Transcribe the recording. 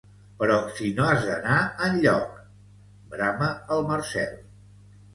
Però si no has d'anar enlloc! —brama el Marcel.